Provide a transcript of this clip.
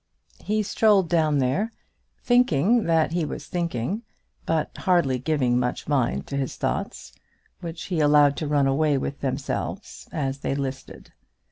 He strolled down there, thinking that he was thinking, but hardly giving much mind to his thoughts, which he allowed to run away with themselves as they listed.